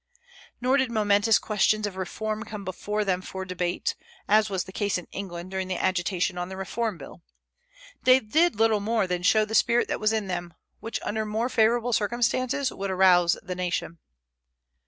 Nor did momentous questions of reform come before them for debate, as was the case in England during the agitation on the Reform Bill. They did little more than show the spirit that was in them, which under more favorable circumstances would arouse the nation.